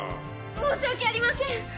申し訳ありません！